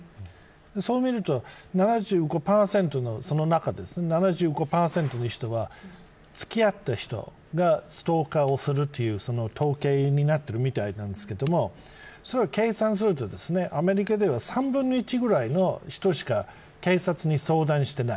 そう見ると７５％の人はつき合っている人がストーカーをするという統計になっているみたいなんですけれども計算すると、アメリカでは３分の１ぐらいの人しか警察に相談していない。